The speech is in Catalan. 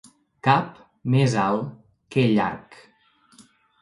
Cap més alt que llarg.